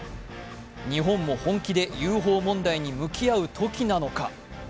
日本も本気でＵＦＯ問題に向き合う時なのか。